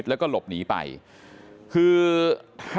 นั่นแหละครับคนที่ก่อเหตุเนี่ยคือสามีของผู้ชมครับ